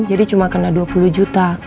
jadi cuma kena dua puluh juta